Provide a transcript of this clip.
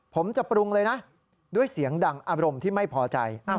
ผมจะปรุงเลยนะด้วยเสียงดังอารมณ์ที่ไม่พอใจ